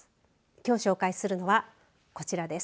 きょう紹介するのはこちらです。